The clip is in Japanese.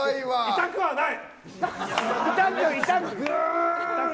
痛くはない！